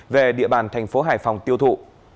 về địa bàn thành phố hải phòng tiêu thụ